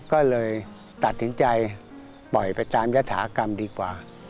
ก็เลยตัดสินใจปล่อยไปตามยฐากรรมดีกว่า